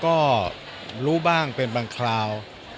ก็รู้บ้างเป็นบางคราว